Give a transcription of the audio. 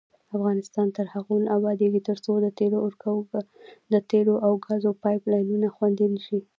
افغانستان تر هغو نه ابادیږي، ترڅو د تیلو او ګازو پایپ لاینونه خوندي نشي.